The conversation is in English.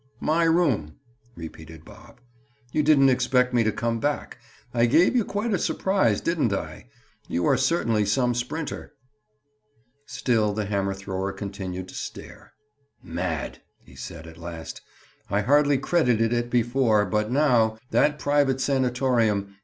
My room!" repeated Bob. "You didn't expect me to come back. I gave you quite a surprise, didn't I? You are certainly some sprinter." Still the hammer thrower continued to stare. "Mad!" he said at last. "I hardly credited it before, but now—That private sanatorium!